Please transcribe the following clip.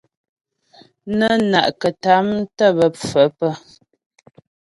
Nə́ na'kətàm tə́ bə́ pfə̌ pə́.